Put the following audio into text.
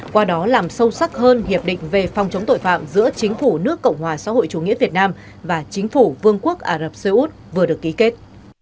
qua đó làm sâu sắc hơn hiệp định về phòng chống tội phạm giữa chính phủ nước cộng hòa xã hội chủ nghĩa việt nam và chính phủ vương quốc ả rập xê út vừa được ký kết